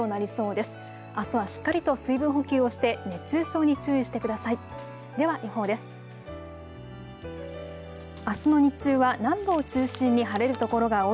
あすはしっかりと水分補給をして熱中症に注意してください。